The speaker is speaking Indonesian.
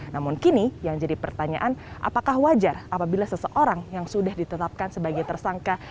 namun kini yang jadi pertanyaan apakah wajar apabila seseorang yang sudah ditetapkan sebagai tersangka